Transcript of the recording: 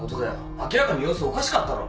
明らかに様子おかしかったろ。